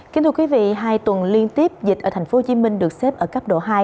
kính thưa quý vị hai tuần liên tiếp dịch ở tp hcm được xếp ở cấp độ hai